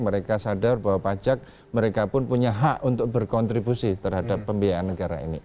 mereka sadar bahwa pajak mereka pun punya hak untuk berkontribusi terhadap pembiayaan negara ini